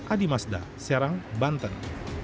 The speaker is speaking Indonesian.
adi masda serang banten